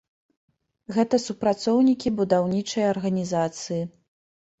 Гэта супрацоўнікі будаўнічай арганізацыі.